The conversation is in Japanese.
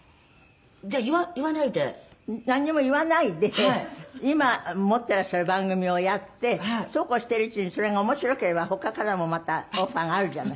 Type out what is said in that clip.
「じゃあ言わないで」「なんにも言わないで今持っていらっしゃる番組をやってそうこうしているうちにそれが面白ければ他からもまたオファーがあるじゃない」